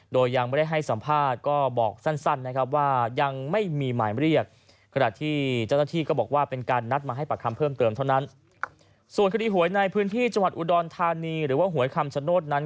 โดยยังไม่ได้ให้สัมภาษณ์